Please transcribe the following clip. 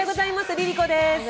ＬｉＬｉＣｏです。